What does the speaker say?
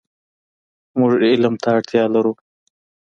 مونږ علم ته اړتیا لرو .